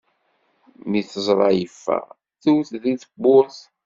Mi t-teẓra yeffeɣ, tewwet deg tewwurt.